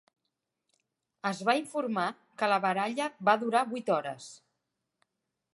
Es va informar que la baralla va durar vuit hores.